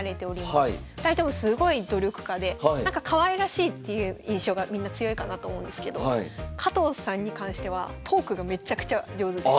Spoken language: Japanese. ２人ともすごい努力家でなんかかわいらしいっていう印象がみんな強いかなと思うんですけど加藤さんに関してはトークがめっちゃくちゃ上手です。